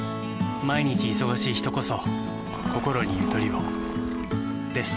毎日忙しい人こそこころにゆとりをです。